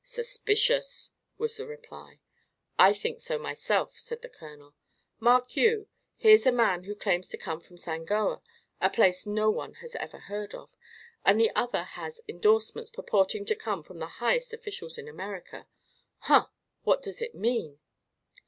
"Suspicious!" was the reply. "I think so, myself," said the colonel. "Mark you: Here's a man who claims to come from Sangoa, a place no one has ever heard of; and the other has endorsements purporting to come from the highest officials in America. Huh! what does it mean?"